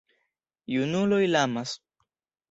Junuloj lamas.